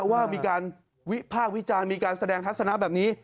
ว่ามีการวิพากษ์วิจารณ์มีการแสดงทัศนะแบบนี้